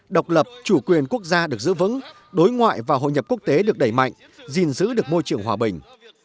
độc lập chủ quyền quốc gia được giữ vững đối ngoại và hội nhập quốc tế được đẩy mạnh gìn giữ được môi trường hòa bình